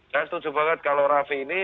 saya setuju banget kalau raffi ini